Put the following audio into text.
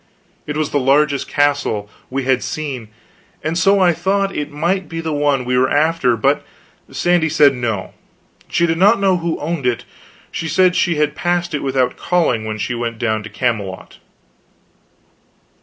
It was the largest castle we had seen, and so I thought it might be the one we were after, but Sandy said no. She did not know who owned it; she said she had passed it without calling, when she went down to Camelot.